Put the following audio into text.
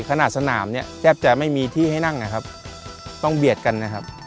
สนามเนี่ยแทบจะไม่มีที่ให้นั่งนะครับต้องเบียดกันนะครับ